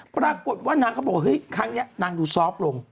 ปรากฏว่านางก็บอกว่าเฮ้ยครั้งนี้นางดูซอฟต์ลง